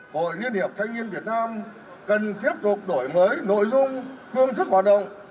hội liên hiệp thanh niên việt nam cần tiếp tục đổi mới nội dung phương thức hoạt động